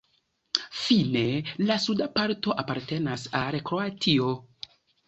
Fine la suda parto apartenas al Kroatio.